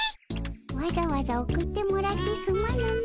わざわざ送ってもらってすまぬの。